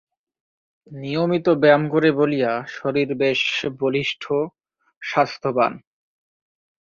নিয়মিত ব্যায়াম করে বলিয়া শরীর বেশ বলিষ্ঠ, স্বাস্থ্যবান।